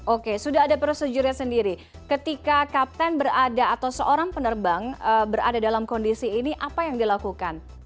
oke sudah ada prosedurnya sendiri ketika kapten berada atau seorang penerbang berada dalam kondisi ini apa yang dilakukan